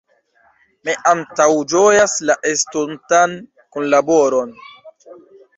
Mi antaŭĝojas la estontan kunlaboron.